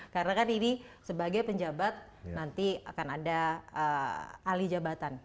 karena kan ini sebagai penjabat nanti akan ada ahli jabatan